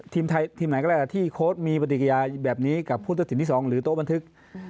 ทีมไหนก็แล้วแต่ที่โค้ดมีปฏิกิยาแบบนี้กับผู้ตัดสินที่๒หรือโต๊ะบันทึก